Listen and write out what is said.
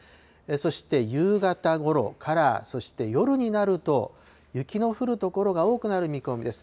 そして、夕方ごろから、そして夜になると、雪の降る所が多くなる見込みです。